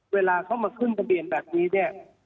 เวลาเขามาขึ้นทะเบียนแบบนี้เนี่ย